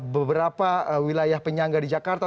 beberapa wilayah penyangga di jakarta